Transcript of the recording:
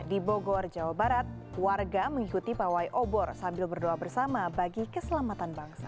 di bogor jawa barat warga mengikuti pawai obor sambil berdoa bersama bagi keselamatan bangsa